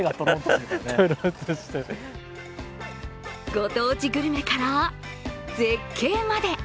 ご当地グルメから絶景まで。